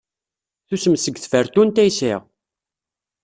Tusem seg tfertunt ay sɛiɣ.